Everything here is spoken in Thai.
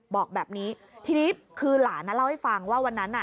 บอกแบบนี้ทีนี้คือหลานเล่าให้ฟังว่าวันนั้นน่ะ